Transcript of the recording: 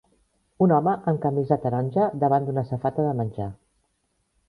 Un home amb camisa taronja davant d'una safata de menjar.